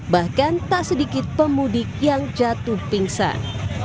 bahkan tak sedikit pemudik yang jatuh pingsan